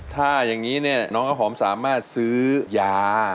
ถ้าอย่างนี้เนี่ยน้องข้าวหอมสามารถซื้อยา